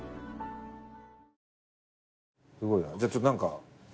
何か。